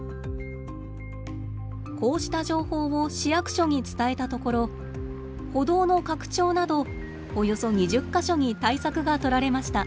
こうした情報を市役所に伝えたところ歩道の拡張などおよそ２０か所に対策がとられました。